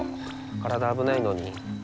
体危ないのに。